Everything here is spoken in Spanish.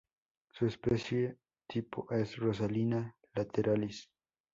Su especie-tipo es "Rosalina lateralis".